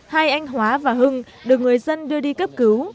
hai anh hóa và hưng được người dân đưa đi cấp cứu